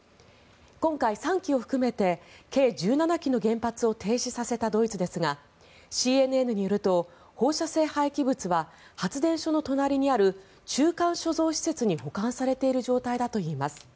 今回、３基を含めて計１７基の原発を停止させたドイツですがＣＮＮによると放射性廃棄物は発電所の隣にある中間貯蔵庫に保管されている状態だといいます。